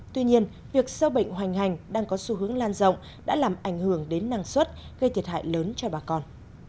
tuy nhiên việc sâu bệnh hoành hành đang có xu hướng lan rộng đã làm ảnh hưởng đến năng suất gây thiệt hại lớn cho bà con